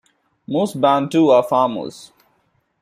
Most Bantu are farmers.